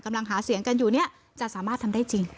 กำลังหาเสียงกันอยู่เนี่ยจะสามารถทำได้จริง